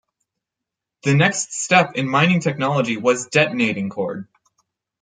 The next step in mining technology was detonating cord.